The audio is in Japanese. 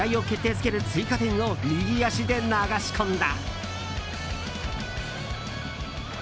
づける追加点を右足で流し込んだ。